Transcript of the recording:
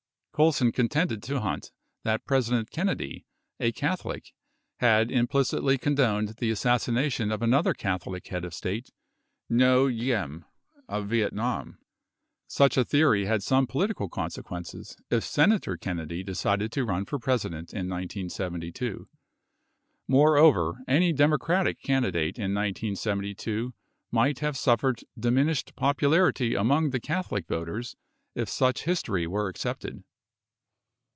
Colson contended to Hunt that President Kennedy, a Catholic, had implicitly condoned the assassination of an other Catholic head of state, Ngo Diem of Vietnam. Such a theory had some political consequences if Senator Kennedy decided to run for President in 1972. Moreover, any Democratic candidate in 1972 might have suffered diminished popularity among the Catholic voters if such history were accepted.